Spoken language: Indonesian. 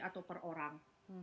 atau per orang